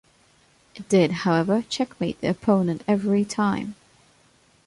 It did, however, checkmate the opponent every time.